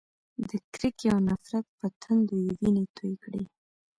د کرکې او نفرت په تندو یې وینې تویې کړې.